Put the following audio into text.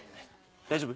大丈夫？